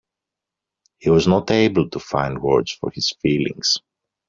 He was not able to find words for his feelings.